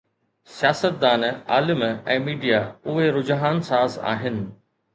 سياستدان، عالم ۽ ميڊيا، اهي رجحان ساز آهن.